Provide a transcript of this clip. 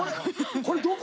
これどこ？